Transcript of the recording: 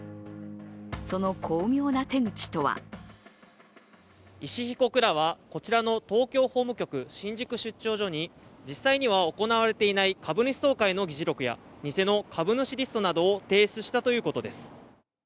その巧妙な手口とは石井被告らは、こちらの東京法務局新宿出張所に実際には行われていない株主総会の議事録や偽の株主リストなどを提出したということです。